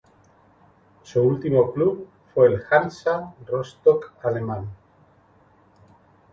Su último club fue el Hansa Rostock alemán.